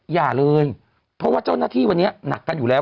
อย่าเลยเพราะว่าเจ้าหน้าที่วันนี้หนักกันอยู่แล้ว